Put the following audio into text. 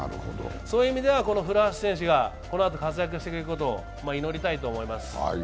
そういう意味では古橋選手がこのあと活躍してくれることを祈りたいと思います。